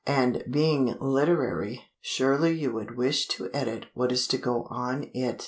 And being literary, surely you would wish to edit what is to go on it.